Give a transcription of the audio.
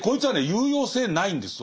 有用性ないんですよ